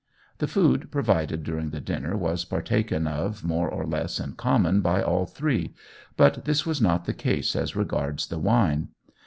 The food provided during the dinner was partaken of more or less in common by all three, but this was not the case as regards the wine.